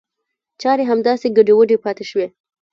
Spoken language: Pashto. چاري همداسې ګډې وډې پاته شوې.